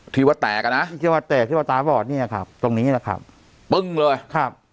ที่ว่าแตกอ่ะนะที่ว่าแตกที่ว่าตาบอดเนี่ยครับตรงนี้แหละครับปึ้งเลยครับ